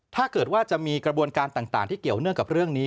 ถ้าเกิดว่าจะมีกระบวนการต่างที่เกี่ยวเนื่องกับเรื่องนี้